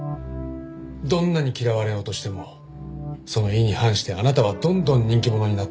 どんなに嫌われようとしてもその意に反してあなたはどんどん人気者になっていった。